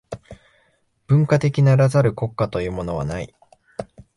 文化的ならざる国家というものはない。